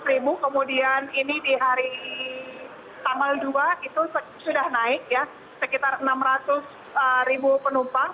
lima ratus ribu kemudian ini di hari tanggal dua itu sudah naik ya sekitar enam ratus ribu penumpang